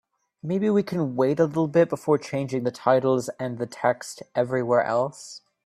Maybe we can wait a little bit before changing the titles and the text everywhere else?